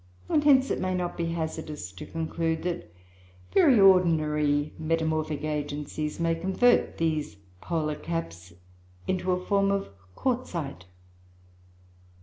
And hence it may not be hazardous to conclude that very ordinary metamorphic agencies may convert these polar caps into a form of quartzite.